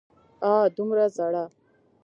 اه! دومره زړه!